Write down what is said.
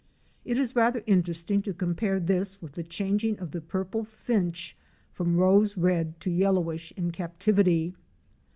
It is rather inter esting to compare this with the changing of the Purple Finch from rose red to yellowish in captivity.